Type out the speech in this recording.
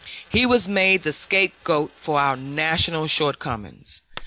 He was made the scapegoat for our National shortcomings.